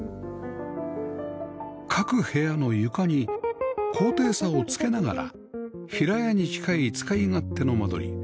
各部屋の床に高低差をつけながら平屋に近い使い勝手の間取り